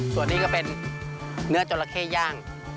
ส่วนนี้ก็เป็นเนื้อจราเข้ย่าง